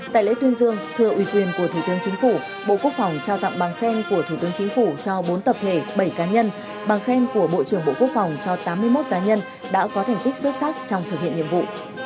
tại lễ tuyên dương thừa uy quyền của thủ tướng chính phủ bộ quốc phòng trao tặng bằng khen của thủ tướng chính phủ cho bốn tập thể bảy cá nhân bằng khen của bộ trưởng bộ quốc phòng cho tám mươi một cá nhân đã có thành tích xuất sắc trong thực hiện nhiệm vụ